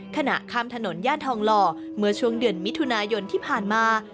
ขณะข้ามถนนย่านทองหล่อเมื่อช่วงเดือนมิถุนายนที่ผ่านมา